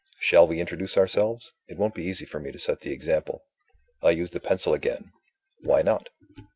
Shall we introduce ourselves? It won't be easy for me to set the example." I used the pencil again: "Why not?"